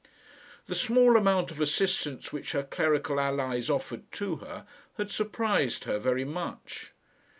The small amount of assistance which her clerical allies offered to her had surprised her very much.